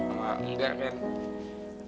enggak enggak ken